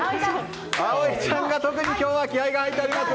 あおいちゃんが特に今日は気合が入っております。